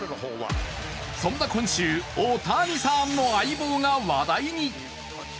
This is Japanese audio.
そんな今週、オオタニサーンの相棒が話題に。